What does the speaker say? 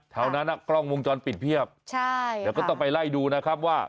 เที่ยวนั้นกล้องวงจรปิดเพียบแต่ว่าต้องไปไล่ดูนะครับว่า